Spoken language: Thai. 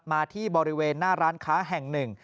มาที่บริเวณหน้าร้านค้าแห่งหนึ่ง